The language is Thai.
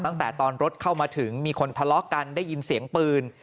ตั้งแต่ตอนรถเข้ามาถึงมีคนทะเลาะกันได้ยินเสียงปืน